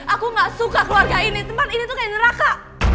aku gak suka keluarga ini teman ini tuh kayak neraka